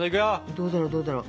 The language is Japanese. どうだろうどうだろう。